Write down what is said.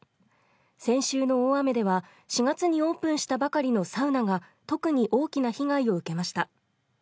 先週の大雨では、４月にオープンしたばかりのサウナが、特に大きな被害を受けました。